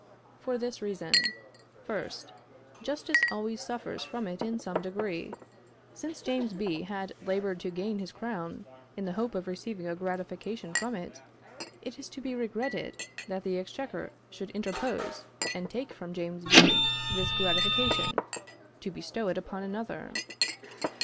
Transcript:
For this reason: First, justice always suffers from it in some degree. Since James B. had laboured to gain his crown, in the hope of receiving a gratification from it, it is to be regretted that the exchequer should interpose, and take from James B. this gratification, to bestow it upon another.